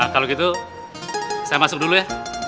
kalau gitu saya masuk dulu ya